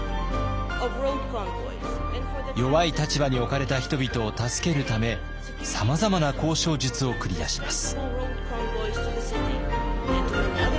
弱い立場に置かれた人々を助けるためさまざまな交渉術を繰り出します。